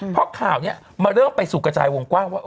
เพราะข่าวนี้มันเริ่มไปสู่กระจายวงกว้างว่า